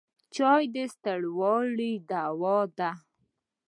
چای د ستړیاوو دوا ده.